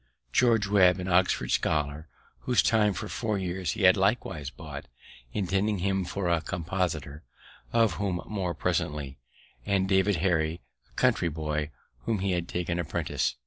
George Webb, an Oxford scholar, whose time for four years he had likewise bought, intending him for a compositor, of whom more presently; and David Harry, a country boy, whom he had taken apprentice.